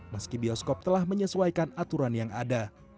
meski bioskop telah menyesuaikan aturan yang ada